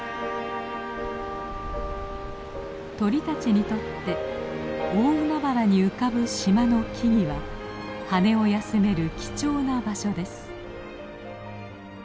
鳥たちにとって大海原に浮かぶ島の木々は羽を休める貴重な場所です。